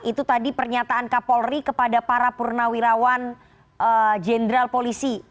itu tadi pernyataan kapolri kepada para purnawirawan jenderal polisi